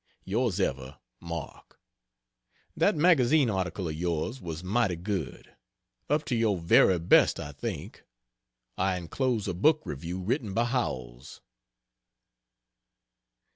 Yours ever MARK. That magazine article of yours was mighty good: up to your very best I think. I enclose a book review written by Howells.